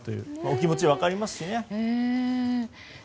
お気持ち分かりますしね。